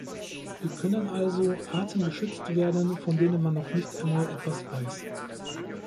Wie können also Arten geschützt werden, von denen man noch nicht einmal etwas weiß?